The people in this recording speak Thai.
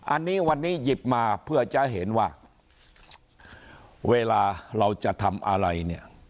อันนี้วันนี้หยิบมาเพื่อจะเห็นว่าเวลาเราจะทำอะไรเนี่ย